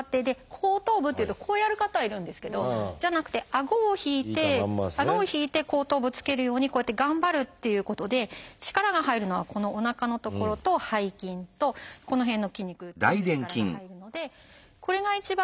後頭部っていうとこうやる方がいるんですけどじゃなくて顎を引いて顎を引いて後頭部つけるようにこうやって頑張るっていうことで力が入るのはこのおなかの所と背筋とこの辺の筋肉全部力が入るのでこれが一番